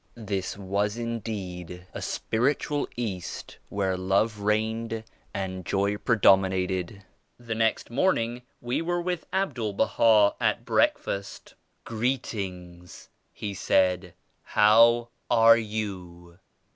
This was indeed a spiritual feast where Love reigned and Joy predominated. The next morning we were with ABDUL Baha at breakfast. "Greetings 1" He said, "How are you?"